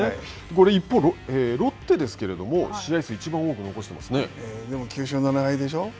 これ、一方、ロッテですけれども、試合数、いちばん多く残していまでも、９勝７敗でしょう。